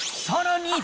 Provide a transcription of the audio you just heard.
さらに。